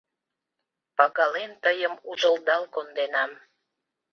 Пагален тыйым ужылдал конденам.